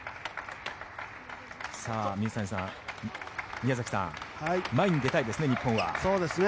宮崎さん、前に出たいですね日本は。